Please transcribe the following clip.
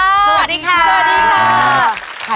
สวัสดีค่ะ